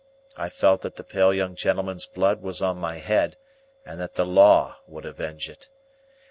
I felt that the pale young gentleman's blood was on my head, and that the Law would avenge it.